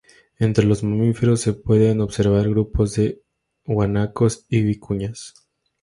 Entre los mamíferos se pueden observar grupos de guanacos y vicuñas.